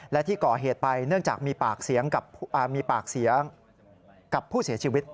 และที่ก่อเหตุไปเนื่องจากมีปากเสียงกับผู้เสียชีวิต